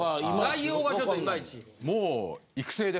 内容がちょっといまいち。